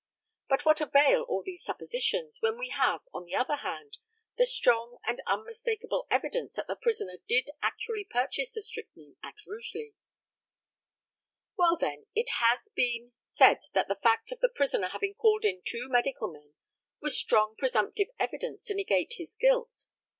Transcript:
But what avail all these suppositions, when we have, on the other hand, the strong and unmistakeable evidence that the prisoner did actually purchase the strychnine at Rugeley? Well, then, it has been said that the fact of the prisoner having called in two medical men, was strong presumptive evidence to negate his guilt.